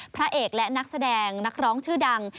พระเอกและนักแสดงนักร้องชื่อดัง